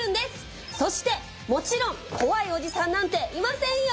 そしてもちろん怖いおじさんなんていませんよ！